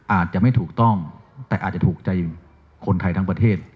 อาจจะไม่ถูกต้องแต่อาจจะถูกใจคนไทยทั้งประเทศ